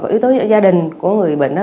yếu tố gia đình của người bệnh đó